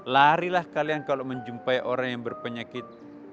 larilah kalian kalau menjumpai orang yang berpenyakit